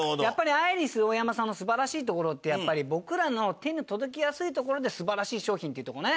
アイリスオーヤマさんの素晴らしいところってやっぱり僕らの手が届きやすいところで素晴らしい商品っていうとこね。